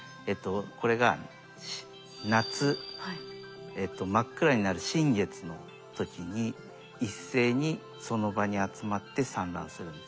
これが夏真っ暗になる新月の時に一斉にその場に集まって産卵するんです。